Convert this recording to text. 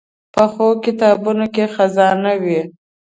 پخو کتابونو کې خزانه وي